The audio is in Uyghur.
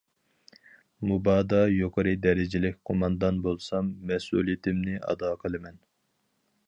مۇبادا يۇقىرى دەرىجىلىك قوماندان بولسام، مەسئۇلىيىتىمنى ئادا قىلىمەن.